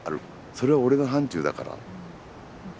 それは俺の範ちゅうだから。